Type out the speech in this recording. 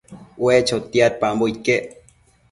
ue chotiadpambo iquec